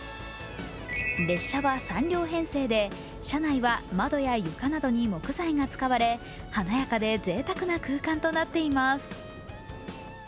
列車は３両編成で車内は窓や床などに木材が使われ華やかでぜいたくな空間となっています。